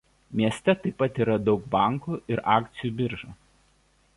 Mieste taip pat yra daug bankų ir akcijų birža.